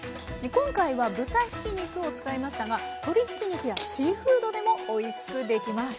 今回は豚ひき肉を使いましたが鶏ひき肉やシーフードでもおいしくできます。